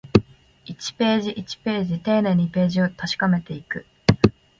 一ページ、一ページ、丁寧にページを確かめていく